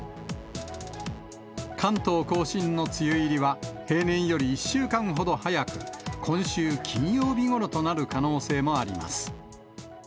関東甲信の梅雨入りは平年より１週間ほど早く、今週金曜日ごろとなる可能性もあります。